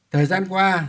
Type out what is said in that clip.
thời gian qua